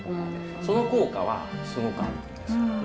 その効果はすごくあると思うんですよ。